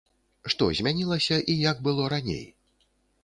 Што змянілася і як было раней?